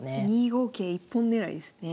２五桂一本狙いですね。